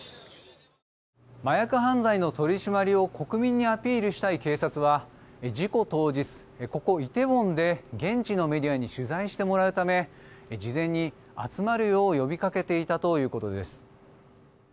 麻薬犯罪の取り締まりを国民にアピールしたい警察は事故当日、ここイテウォンで現地のメディアに取材してもらうため事前に、集まるよう呼びかけていたということです。